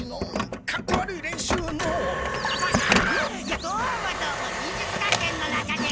やっどうもどうも忍術学園の中で。